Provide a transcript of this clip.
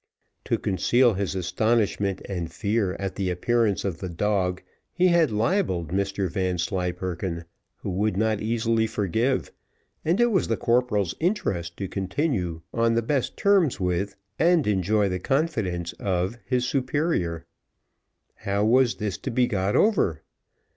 To conceal his astonishment and fear at the appearance of the dog, he had libelled Mr Vanslyperken, who would not easily forgive, and it was the corporal's interest to continue on the best terms with, and enjoy the confidence of his superior. How was this to be got over?